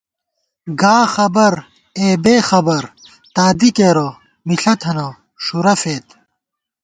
گا خبر اے بېخبر تادی کېرہ مِݪہ تھنہ ݭُرہ فېد